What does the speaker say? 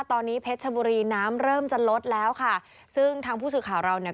ตอนนี้เพชรชบุรีน้ำเริ่มจะลดแล้วค่ะซึ่งทางผู้สื่อข่าวเราเนี่ย